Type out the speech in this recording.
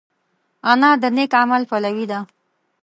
انا د نېک عمل پلوي ده